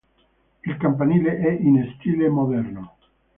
Il campanile è in stile moderno.